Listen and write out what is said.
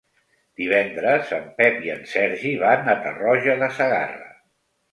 Divendres en Pep i en Sergi van a Tarroja de Segarra.